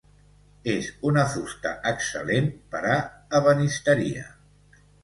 És una fusta excel·lent per a ebenisteria.